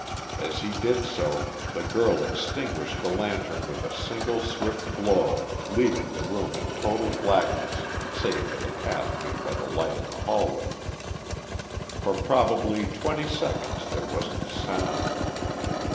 As he did so the girl extinguished the lantern with a single swift blow, leaving the room in total blackness, save for the path made by the light in the hallway. For probably twenty seconds there wasn't a sound.